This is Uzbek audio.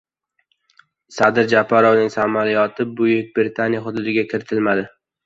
Sadir Japarovning samolyoti Buyuk Britaniya hududiga kiritilmadi